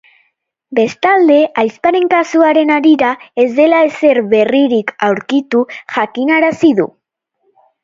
Bestalde, ahizparen kasuaren harira ez dela ezer berririk aurkitu jakinarazi du.